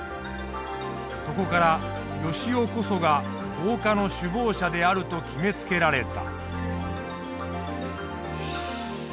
そこから善男こそが放火の首謀者であると決めつけられた。